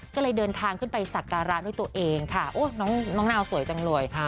ก็เลยเดินทางขึ้นไปสักการะด้วยตัวเองค่ะโอ้น้องนาวสวยจังเลย